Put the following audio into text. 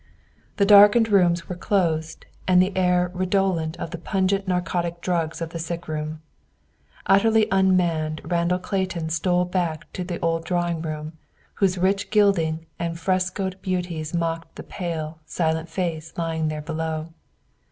The darkened rooms were closed, and the air redolent of the pungent narcotic drugs of the sickroom. Utterly unmanned, Randolph Clayton stole back to the old drawing room, whose rich gilding and frescoed beauties mocked the pale, silent face lying there below.